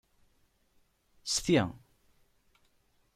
Sti!